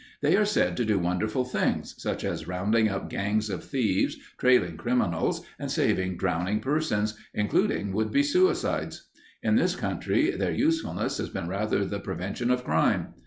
They are said to do wonderful things, such as rounding up gangs of thieves, trailing criminals, and saving drowning persons, including would be suicides. In this country their usefulness has been rather the prevention of crime.